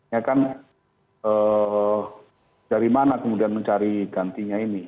ya kan dari mana kemudian mencari gantinya ini